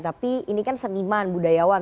tapi ini kan seniman budayawan